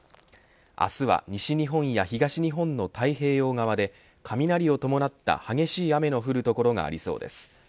明日は西日本や東日本の太平洋側で雷を伴った激しい雨の降る所がありそうです。